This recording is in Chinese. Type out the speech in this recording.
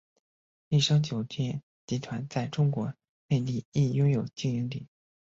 丽笙酒店集团在中国内地亦拥有经营点。